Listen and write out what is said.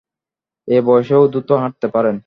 এই বয়সেও দ্রুত হাঁটতে পারেন।